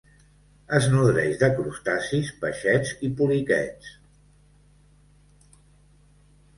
Es nodreix de crustacis, peixets i poliquets.